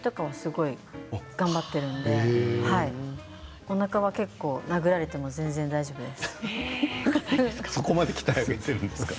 はい、筋トレとかすごく頑張っているのでおなかは結構殴られても大丈夫です。